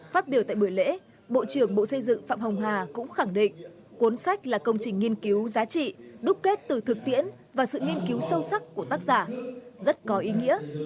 phát biểu tại buổi lễ bộ trưởng bộ xây dựng phạm hồng hà cũng khẳng định cuốn sách là công trình nghiên cứu giá trị đúc kết từ thực tiễn và sự nghiên cứu sâu sắc của tác giả rất có ý nghĩa